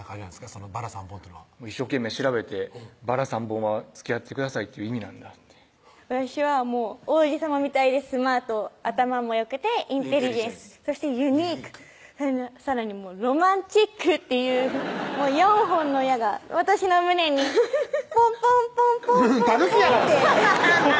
そのバラ３本っていうのは一生懸命調べてバラ３本はつきあってくださいという意味なんだって私はもう王子さまみたいでスマート頭もよくてインテリジェンスそしてユニークさらにロマンチックっていう４本の矢が私の胸にポンポンポンポンたぬきやがなそれ！